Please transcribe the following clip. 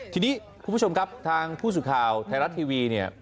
ทีนี้ผู้ชมครับทางผู้สูตรข่าวไทยรัตน์ทีวี